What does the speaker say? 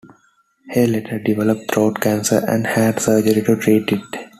Hey later developed throat cancer, and had surgery to treat it.